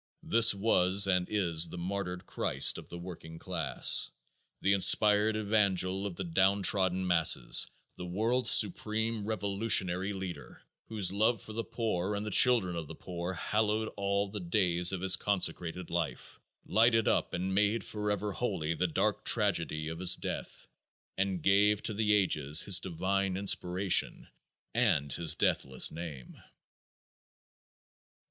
This was and is the martyred Christ of the working class, the inspired evangel of the downtrodden masses, the world's supreme revolutionary leader, whose love for the poor and the children of the poor hallowed all the days of his consecrated life, lighted up and made forever holy the dark tragedy of his death, and gave to the ages his divine inspiration and his deathless name.